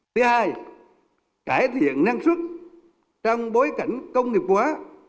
thứ hai cải thiện năng suất trong bối cảnh công nghiệp hóa